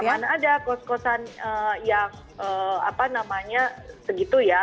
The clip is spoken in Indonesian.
mana ada kos kosan yang apa namanya segitu ya